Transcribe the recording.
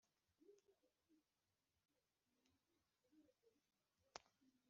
inyigisho y’ibanze y’idini rya isilamu ikubiye mu cyitwa shahādah